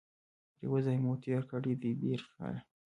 پر یوه ځای مو تیر کړي دي دیرش کاله